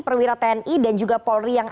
perwira tni dan juga polri yang